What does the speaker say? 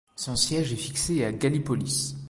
Son siège est fixé à Gallipolis.